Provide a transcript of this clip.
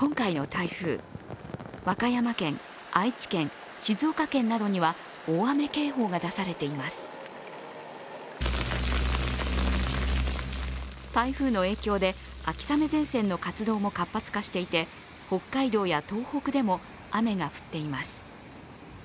台風の影響で秋雨前線の活動も活発化していて北海道や東北でも雨が降っています。